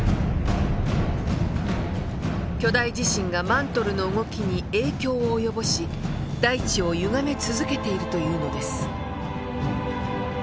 巨大地震がマントルの動きに影響を及ぼし大地をゆがめ続けているというのです。